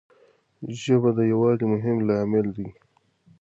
ژبه د یووالي مهم لامل دی.